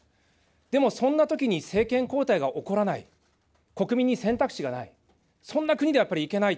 でもそんなときに政権交代が起こらない、国民に選択肢がない、そんな国ではやっぱりいけない。